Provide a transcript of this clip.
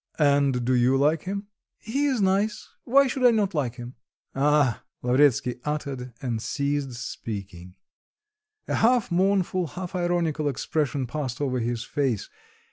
"And do you like him?" "He is nice; why should I not like him?" "Ah!" Lavretsky uttered and ceased speaking. A half mournful, half ironical expression passed over his face.